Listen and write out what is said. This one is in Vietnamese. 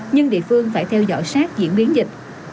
nhưng địa phương phải theo dõi sát diễn biến dịch